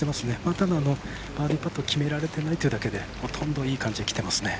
ただ、バーディーパットを決められてないということだけでほとんどいい感じできていますね。